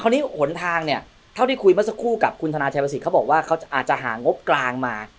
นี้หนทางเนี่ยเท่าที่คุยเมื่อสักครู่กับคุณธนาชัยประสิทธิ์เขาบอกว่าเขาอาจจะหางบกลางมา